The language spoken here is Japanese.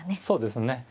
そうですね。